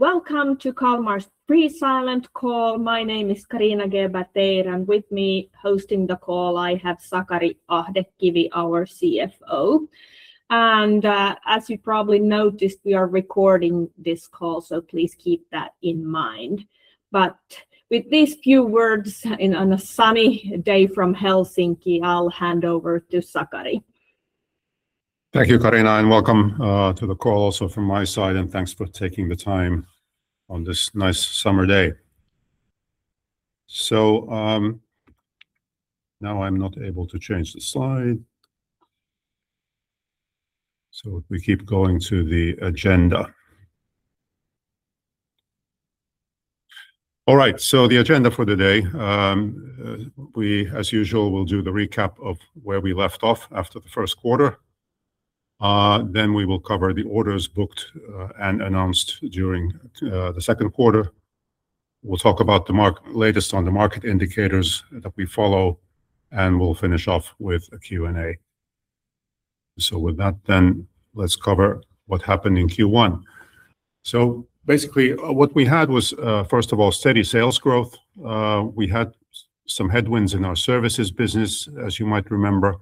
Welcome to Kalmar's Pre-Silent Call. My name is Carina Geber-Teir. With me hosting the call, I have Sakari Ahdekivi, our CFO. As you probably noticed, we are recording this call, please keep that in mind. With these few words on a sunny day from Helsinki, I'll hand over to Sakari. Thank you, Carina, welcome to the call also from my side, and thanks for taking the time on this nice summer day. Now I'm not able to change the slide, we keep going to the agenda. All right, the agenda for the day. We, as usual, will do the recap of where we left off after the first quarter. We will cover the orders booked and announced during the second quarter. We'll talk about the latest on the market indicators that we follow, we'll finish off with a Q&A. Let's cover what happened in Q1. Basically, what we had was, first of all, steady sales growth. We had some headwinds in our services business, as you might remember.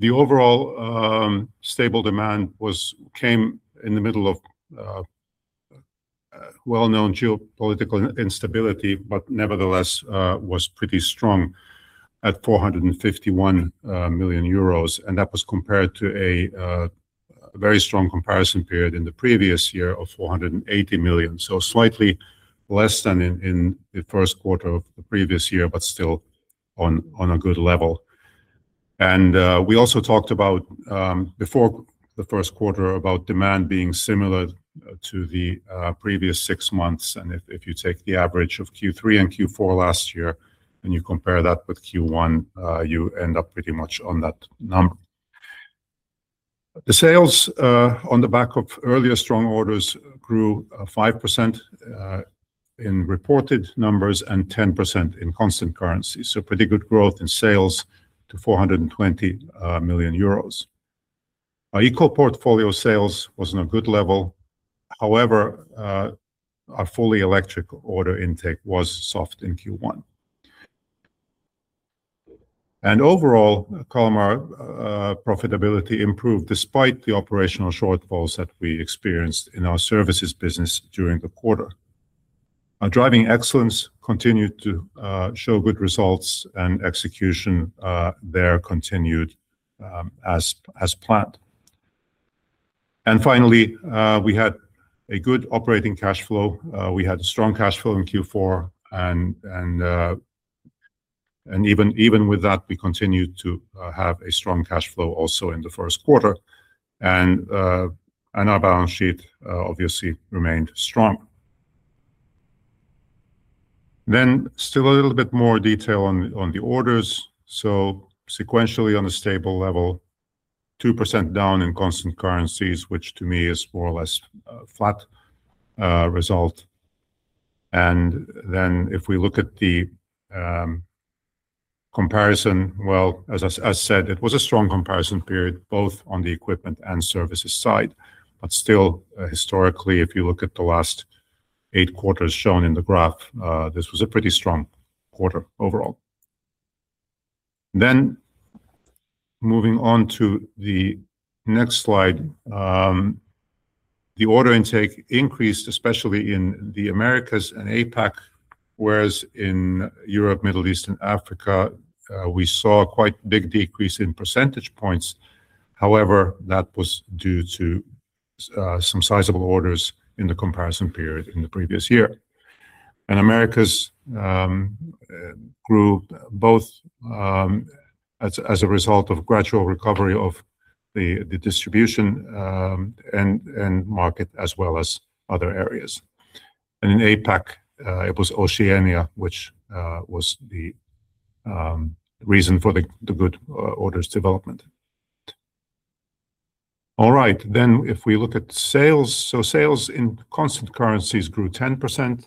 The overall stable demand came in the middle of well-known geopolitical instability, but nevertheless was pretty strong at 451 million euros. That was compared to a very strong comparison period in the previous year of 480 million. Slightly less than in the first quarter of the previous year, but still on a good level. We also talked about, before the first quarter, about demand being similar to the previous six months, if you take the average of Q3 and Q4 last year and you compare that with Q1, you end up pretty much on that number. The sales on the back of earlier strong orders grew 5% in reported numbers and 10% in constant currency. Pretty good growth in sales to 420 million euros. Our eco portfolio sales was in a good level. However, our fully electric order intake was soft in Q1. Overall, Kalmar profitability improved despite the operational shortfalls that we experienced in our services business during the quarter. Our Driving Excellence continued to show good results, execution there continued as planned. Finally, we had a good operating cash flow. We had a strong cash flow in Q4, even with that, we continued to have a strong cash flow also in the first quarter. Our balance sheet obviously remained strong. Still a little bit more detail on the orders. Sequentially on a stable level, 2% down in constant currencies, which to me is more or less a flat result. If we look at the comparison, as I said, it was a strong comparison period, both on the equipment services side. Still, historically, if you look at the last eight quarters shown in the graph, this was a pretty strong quarter overall. Moving on to the next slide. The order intake increased, especially in the Americas and APAC, whereas in Europe, Middle East, and Africa, we saw quite a big decrease in percentage points. However, that was due to some sizable orders in the comparison period in the previous year. Americas grew both as a result of gradual recovery of the distribution end market as well as other areas. In APAC, it was Oceania which was the reason for the good orders development. All right. If we look at sales in constant currencies grew 10%.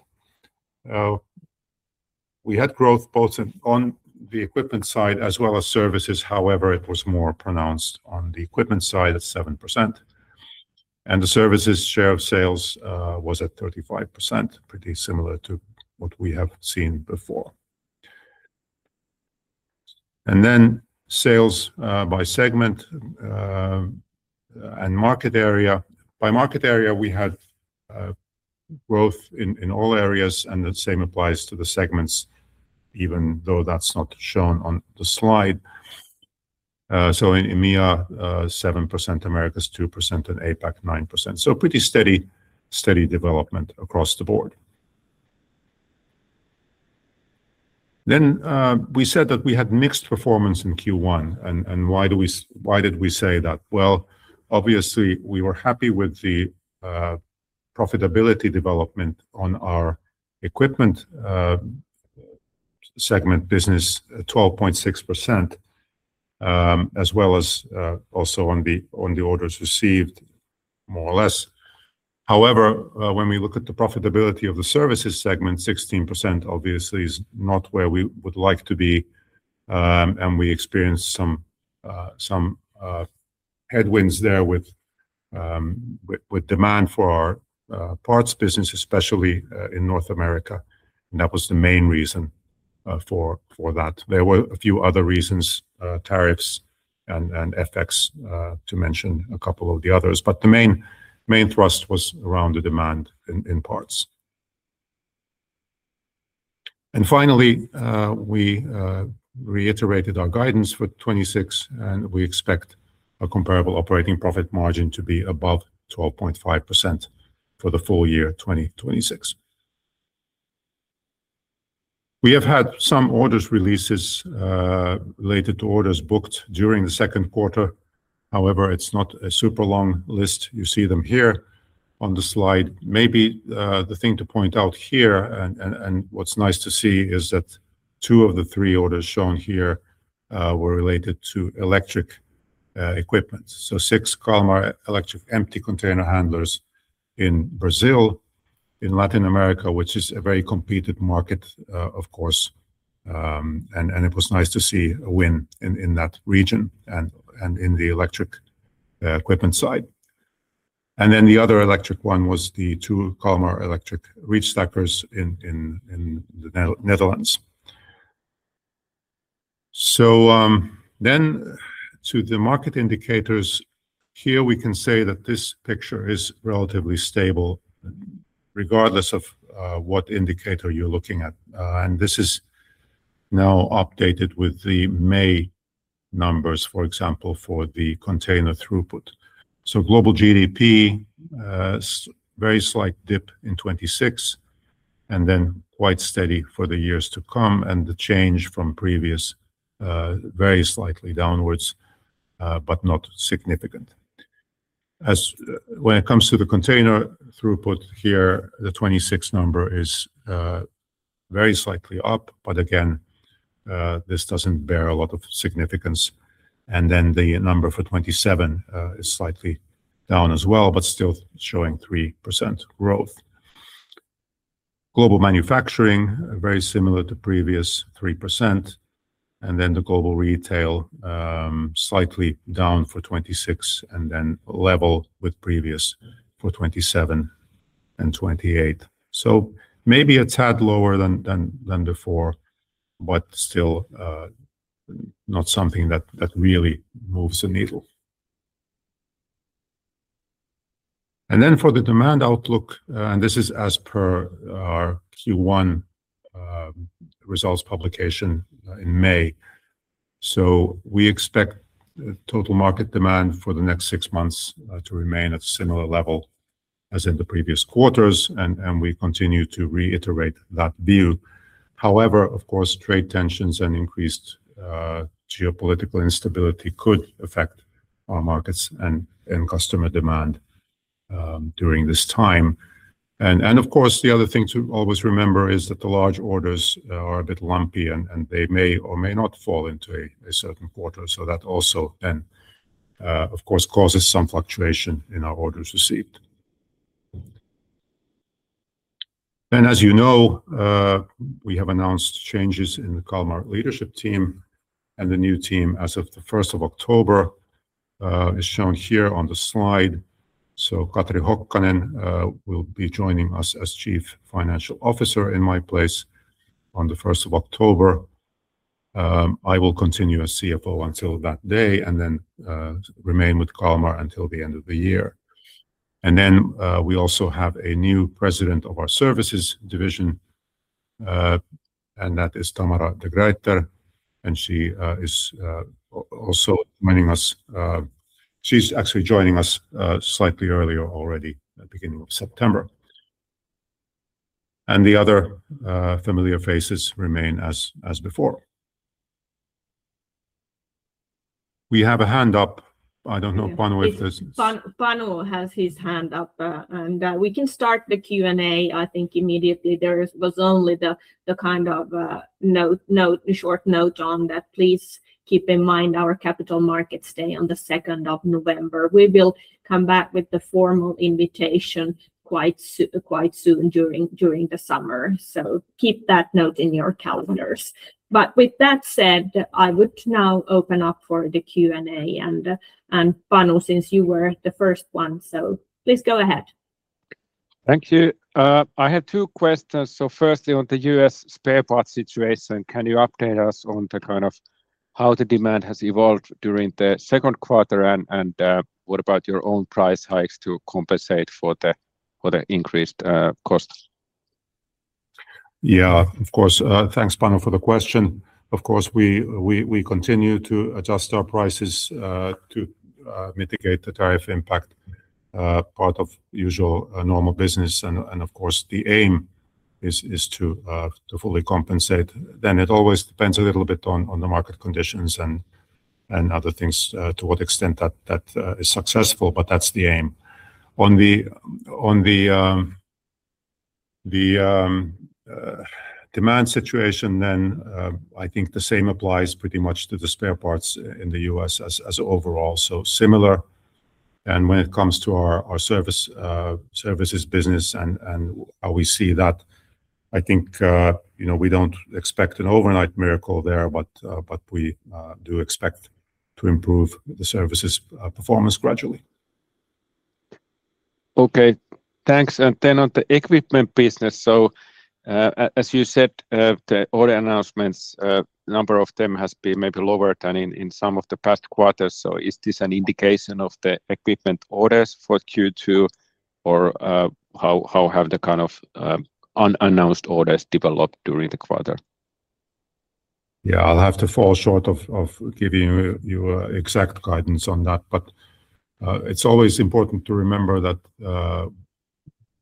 We had growth both on the equipment side as well as services. However, it was more pronounced on the equipment side at 7%. The services share of sales was at 35%, pretty similar to what we have seen before. Sales by segment and market area. By market area, we had growth in all areas, the same applies to the segments, even though that's not shown on the slide. In EMEA, 7%, Americas, 2%, and APAC, 9%. Pretty steady development across the board. We said that we had mixed performance in Q1, why did we say that? Obviously, we were happy with the profitability development on our equipment segment business, 12.6%, as well as also on the orders received, more or less. However, when we look at the profitability of the services segment, 16% obviously is not where we would like to be, we experienced some headwinds there with demand for our parts business, especially in North America, and that was the main reason for that. There were a few other reasons, tariffs and FX, to mention a couple of the others, but the main thrust was around the demand in parts. Finally, we reiterated our guidance for 2026, we expect a comparable operating profit margin to be above 12.5% for the full year 2026. We have had some orders releases related to orders booked during the second quarter. However, it's not a super long list. You see them here on the slide. Maybe the thing to point out here, and what's nice to see, is that two of the three orders shown here were related to electric equipment. six Kalmar Electric Empty Container Handlers in Brazil, in Latin America, which is a very competed market, of course. It was nice to see a win in that region and in the electric equipment side. The other electric one was the two Kalmar Electric reach stacker in the Netherlands. To the market indicators. Here we can say that this picture is relatively stable regardless of what indicator you're looking at. This is now updated with the May numbers, for example, for the container throughput. Global GDP, very slight dip in 2026, then quite steady for the years to come, the change from previous, very slightly downwards but not significant. When it comes to the container throughput here, the 2026 number is very slightly up, but again, this doesn't bear a lot of significance. The number for 2027 is slightly down as well, but still showing 3% growth. Global manufacturing, very similar to previous, 3%. The global retail, slightly down for 2026 and then level with previous for 2027 and 2028. Maybe a tad lower than before, but still not something that really moves the needle. For the demand outlook, this is as per our Q1 results publication in May. We expect total market demand for the next six months to remain at similar level as in the previous quarters, and we continue to reiterate that view. However, of course, trade tensions and increased geopolitical instability could affect our markets and customer demand during this time. Of course, the other thing to always remember is that the large orders are a bit lumpy, and they may or may not fall into a certain quarter, so that also then, of course, causes some fluctuation in our orders received. As you know, we have announced changes in the Kalmar leadership team, the new team as of the 1st of October, is shown here on the slide. Katri Hokkanen will be joining us as Chief Financial Officer in my place on the 1st of October. I will continue as CFO until that day and then remain with Kalmar until the end of the year. We also have a new President of Services, and that is Tamara de Groot, and she is also joining us. She is actually joining us slightly earlier already at beginning of September. The other familiar faces remain as before. We have a hand up. I don't know, Panu, if there's. Panu has his hand up, we can start the Q&A, I think immediately. There was only the short note on that. Please keep in mind our Capital Markets Day on the 2nd of November. We will come back with the formal invitation quite soon during the summer. Keep that note in your calendars. With that said, I would now open up for the Q&A, Panu, since you were the first one, please go ahead. Thank you. I have two questions. Firstly, on the U.S. spare parts situation, can you update us on how the demand has evolved during the second quarter, what about your own price hikes to compensate for the increased costs? Yeah, of course. Thanks, Panu, for the question. Of course, we continue to adjust our prices to mitigate the tariff impact, part of usual normal business, and of course, the aim is to fully compensate. It always depends a little bit on the market conditions and other things, to what extent that is successful, but that's the aim. On the demand situation, I think the same applies pretty much to the spare parts in the U.S. as overall. When it comes to our services business and how we see that, I think we don't expect an overnight miracle there, but we do expect to improve the services performance gradually. Okay, thanks. On the equipment business, as you said, the order announcements, number of them has been maybe lower than in some of the past quarters. Is this an indication of the equipment orders for Q2, or how have the unannounced orders developed during the quarter? Yeah, I'll have to fall short of giving you exact guidance on that. It's always important to remember that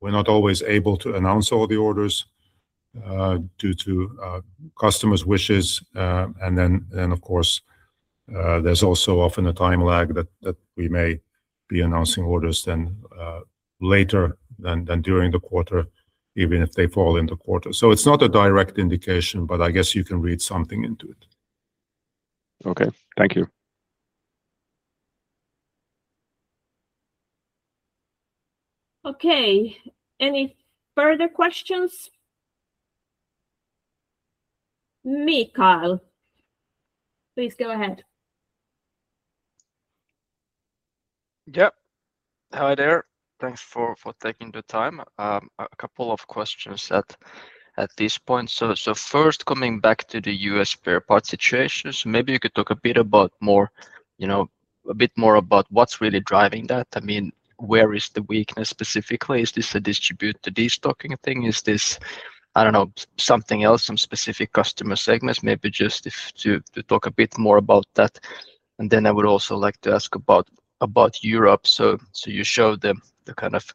we're not always able to announce all the orders due to customers' wishes. Of course, there's also often a time lag that we may be announcing orders then later than during the quarter, even if they fall in the quarter. It's not a direct indication, but I guess you can read something into it. Okay. Thank you. Okay. Any further questions? Mikael, please go ahead. Yep. Hi there. Thanks for taking the time. A couple of questions at this point. First, coming back to the U.S. spare parts situations, maybe you could talk a bit more about what's really driving that. Where is the weakness specifically? Is this a distributor destocking thing? Is this something else, some specific customer segments? Maybe just to talk a bit more about that. Then I would also like to ask about Europe. You showed the kind of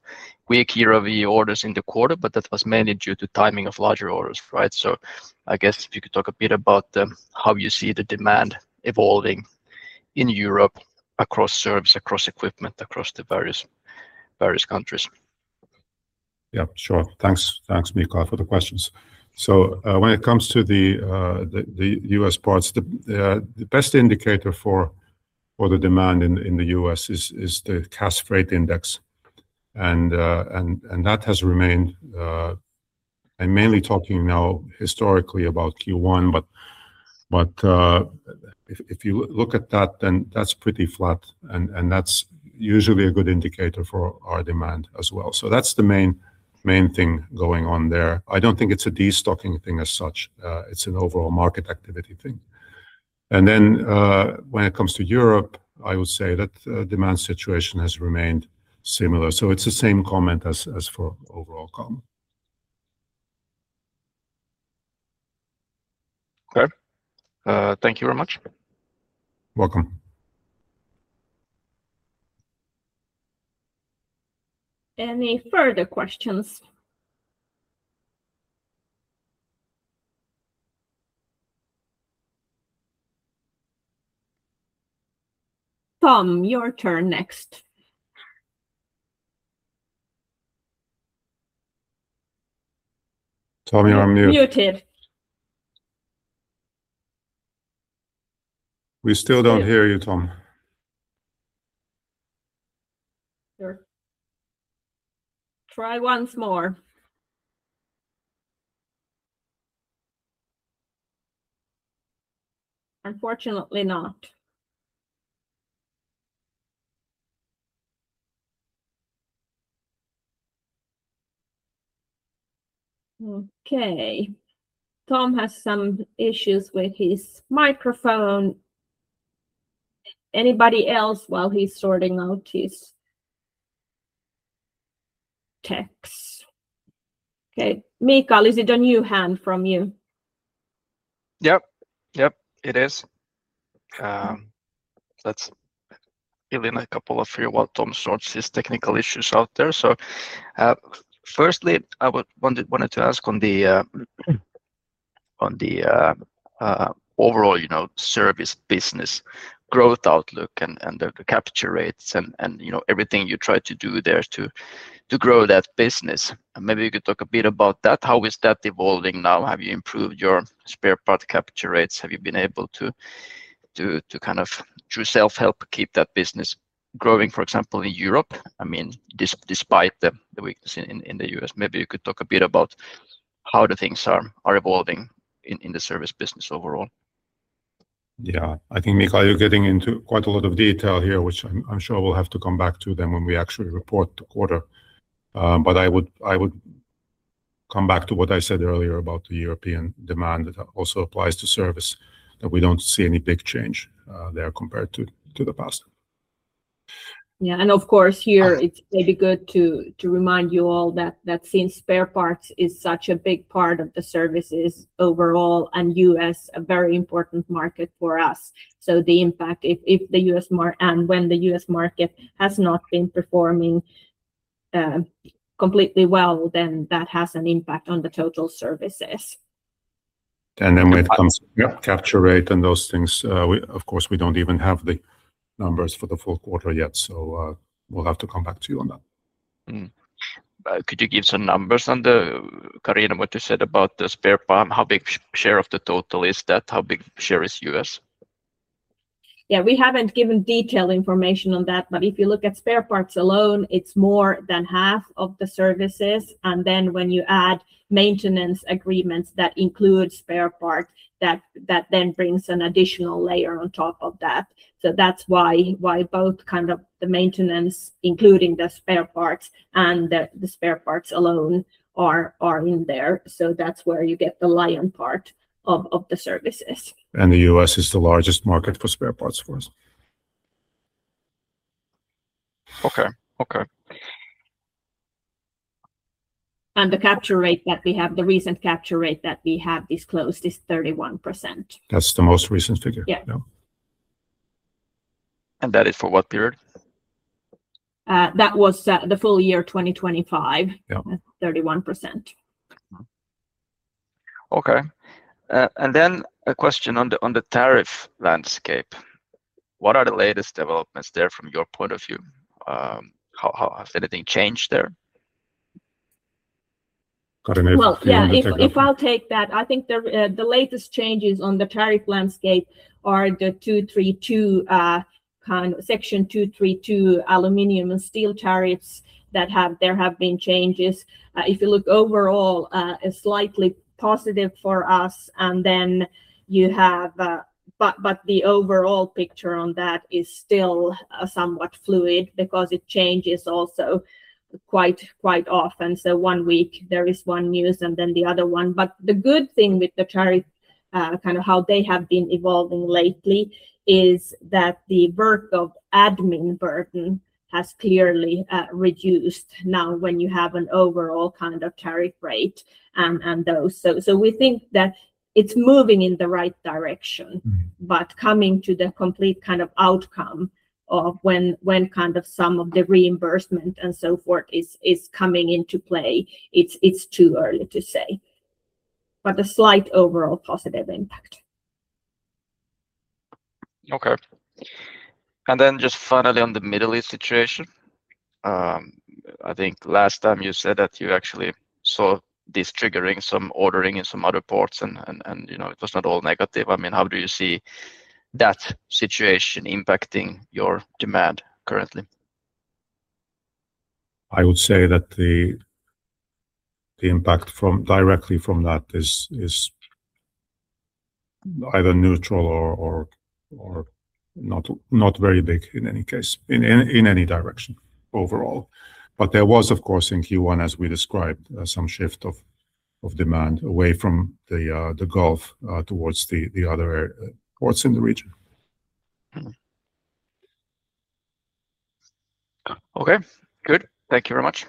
weak year-over-year orders in the quarter, but that was mainly due to timing of larger orders, right? I guess if you could talk a bit about how you see the demand evolving in Europe across service, across equipment, across the various countries. Yep, sure. Thanks, Mikael, for the questions. When it comes to the U.S. parts, the best indicator for the demand in the U.S. is the Cass Freight Index. That has remained, I'm mainly talking now historically about Q1, if you look at that's pretty flat, that's usually a good indicator for our demand as well. That's the main thing going on there. I don't think it's a destocking thing as such. It's an overall market activity thing. Then when it comes to Europe, I would say that demand situation has remained similar. It's the same comment as for overall com. Okay. Thank you very much. Welcome. Any further questions? Tom, your turn next. Tom, you're on mute. Muted. We still don't hear you, Tom. Sure. Try once more. Unfortunately not. Okay. Tom has some issues with his microphone. Anybody else while he's sorting out his techs? Okay. Mikael, is it a new hand from you? Yep. It is. Let's fill in a couple of here while Tom sorts his technical issues out there. Firstly, I wanted to ask on the overall service business growth outlook and the capture rates and everything you try to do there to grow that business. Maybe you could talk a bit about that. How is that evolving now? Have you improved your spare part capture rates? Have you been able to, through self-help, keep that business growing, for example, in Europe? Despite the weakness in the U.S., maybe you could talk a bit about how the things are evolving in the service business overall. I think, Mikael, you're getting into quite a lot of detail here, which I'm sure we'll have to come back to then when we actually report the quarter. I would come back to what I said earlier about the European demand that also applies to service, that we don't see any big change there compared to the past. Of course, here it's maybe good to remind you all that since spare parts is such a big part of the services overall, and U.S. a very important market for us. The impact, if the U.S. market, and when the U.S. market has not been performing completely well, then that has an impact on the total services. When it comes to capture rate and those things, of course, we don't even have the numbers for the full quarter yet. We'll have to come back to you on that. Could you give some numbers on, Carina, what you said about the spare part? How big share of the total is that? How big share is U.S.? Yeah, we haven't given detailed information on that. If you look at spare parts alone, it's more than half of the services. When you add maintenance agreements that include spare parts, that then brings an additional layer on top of that. That's why both the maintenance, including the spare parts and the spare parts alone are in there. That's where you get the lion part of the services. The U.S. is the largest market for spare parts for us. Okay. The recent capture rate that we have disclosed is 31%. That's the most recent figure. Yeah. That is for what period? That was the full year 2025. 31%. Okay. A question on the tariff landscape. What are the latest developments there from your point of view? Has anything changed there? Carina, do you want to take that? Yeah. If I'll take that. I think the latest changes on the tariff landscape are the Section 232 aluminum and steel tariffs. There have been changes. If you look overall, slightly positive for us. The overall picture on that is still somewhat fluid because it changes also quite often. One week there is one news and then the other one. The good thing with the tariff, how they have been evolving lately, is that the work of admin burden has clearly reduced now when you have an overall tariff rate. We think that it's moving in the right direction. Coming to the complete outcome of when some of the reimbursement and so forth is coming into play, it's too early to say. A slight overall positive impact. Okay. Just finally on the Middle East situation. I think last time you said that you actually saw this triggering some ordering in some other ports and it was not all negative. How do you see that situation impacting your demand currently? I would say that the impact directly from that is either neutral or not very big in any case, in any direction overall. There was, of course, in Q1, as we described, some shift of demand away from the Gulf, towards the other ports in the region. Okay, good. Thank you very much.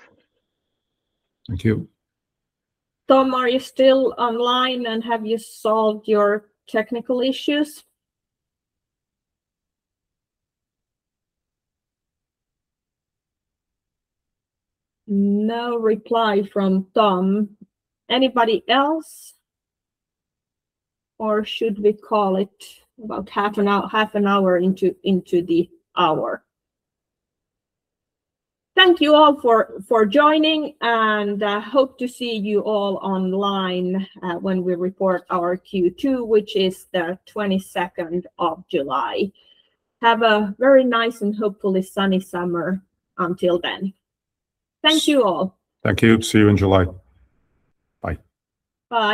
Thank you. Tom, are you still online and have you solved your technical issues? No reply from Tom. Anybody else, or should we call it about half an hour into the hour? Thank you all for joining. I hope to see you all online when we report our Q2, which is the 22nd of July. Have a very nice and hopefully sunny summer until then. Thank you all. Thank you. See you in July. Bye. Bye.